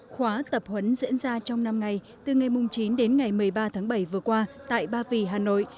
khóa tập huấn diễn ra trong năm ngày từ ngày chín đến ngày một mươi ba tháng bảy vừa qua tại ba vì hà nội